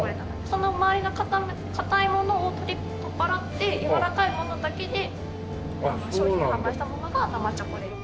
その周りの硬いものを取っ払ってやわらかいものだけで商品を販売したものが生チョコレート。